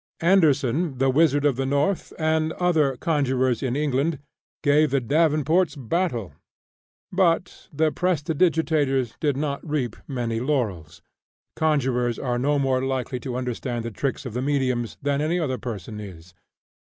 Anderson "the Wizard of the North," and other conjurers in England, gave the Davenports battle, but the "prestidigitators" did not reap many laurels. Conjurers are no more likely to understand the tricks of the mediums than any other person is.